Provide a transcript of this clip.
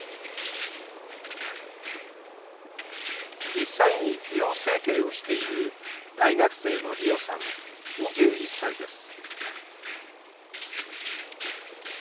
実際に美容整形をしている大学生のりおさん、２１歳です